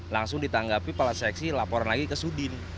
langsung ditanggapi pala seksi laporan lagi ke sudin